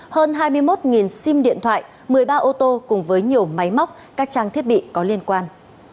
hơn hai mươi một sim điện thoại một mươi ba ô tô cùng với nhiều máy móc các trang thiết bị có liên quan